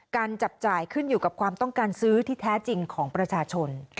จับจ่ายขึ้นอยู่กับความต้องการซื้อที่แท้จริงของประชาชน